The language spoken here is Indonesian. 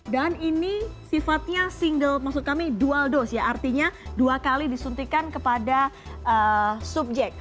dan ini sifatnya single maksud kami dual dose ya artinya dua kali disuntikan kepada subjek